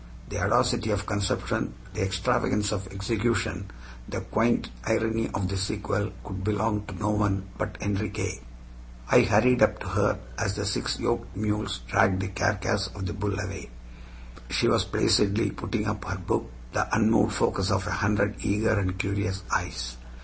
The audacity of conception, the extravagance of execution, the quaint irony of the sequel, could belong to no one but Enriquez. I hurried up to her as the six yoked mules dragged the carcass of the bull away. She was placidly putting up her book, the unmoved focus of a hundred eager and curious eyes.